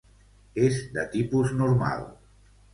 És de tipus normal.